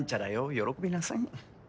喜びなさい。